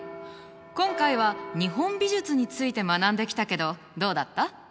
今回は日本美術について学んできたけどどうだった？